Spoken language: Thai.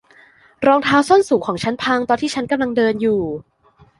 รองเท้าส้นสูงของฉันพังตอนฉันกำลังเดินอยู่